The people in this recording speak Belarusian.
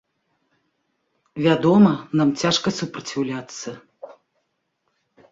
Вядома, нам цяжка супраціўляцца.